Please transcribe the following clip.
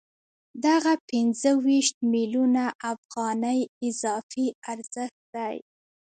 دغه پنځه ویشت میلیونه افغانۍ اضافي ارزښت دی